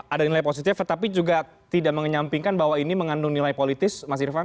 ada nilai positif tetapi juga tidak menyampingkan bahwa ini mengandung nilai politis mas irvan